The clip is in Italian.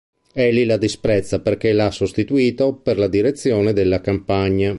Eli la disprezza perché l'ha sostituito per la direzione della campagna.